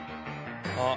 あっ！